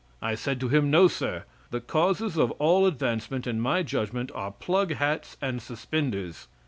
I said to him: "No, Sir; the causes of all advancement, in my judgment, are plug hats and suspenders."